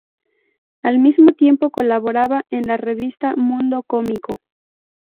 Al mismo tiempo colaboraba en la revista "Mundo Cómico".